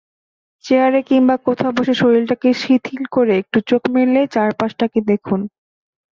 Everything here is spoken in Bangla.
চেয়ারে কিংবা কোথাও বসে শরীরটাকে শিথিল করে একটু চোখ মেলে চারপাশটাকে দেখুন।